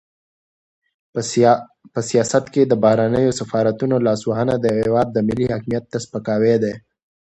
په سیاست کې د بهرنیو سفارتونو لاسوهنه د هېواد ملي حاکمیت ته سپکاوی دی.